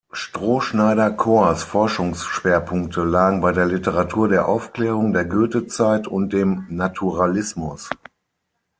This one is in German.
Strohschneider-Kohrs’ Forschungsschwerpunkte lagen bei der Literatur der Aufklärung, der Goethezeit und dem Naturalismus.